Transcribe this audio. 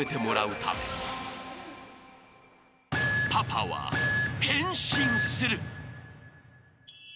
［パパは変身する］